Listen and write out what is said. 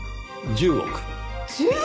１０億！？